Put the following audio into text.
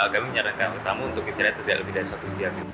kami menyarankan ketamu untuk isi daya tidak lebih dari satu jam